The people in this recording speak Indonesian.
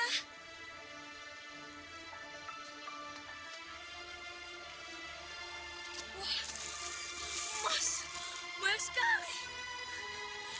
wah emas emas sekali